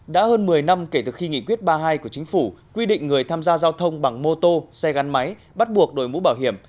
đã hơn một mươi năm kể từ khi nghị quyết ba mươi hai của chính phủ quy định người tham gia giao thông bằng mô tô xe gắn máy bắt buộc đổi mũ bảo hiểm